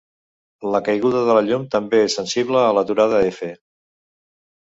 La caiguda de la llum també és sensible a l'aturada-f.